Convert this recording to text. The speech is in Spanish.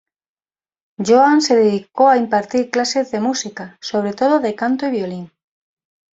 Johann se dedicó a impartir clases de música, sobre todo de canto y violín.